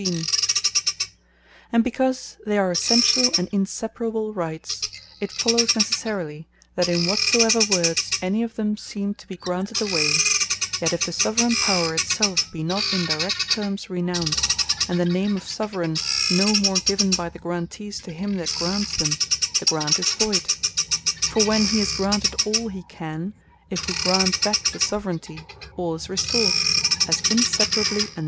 And Can By No Grant Passe Away Without Direct Renouncing Of The Soveraign Power And because they are essentiall and inseparable Rights, it follows necessarily, that in whatsoever, words any of them seem to be granted away, yet if the Soveraign Power it selfe be not in direct termes renounced, and the name of Soveraign no more given by the Grantees to him that Grants them, the Grant is voyd: for when he has granted all he can, if we grant back the Soveraignty, all is restored, as inseparably annexed thereunto.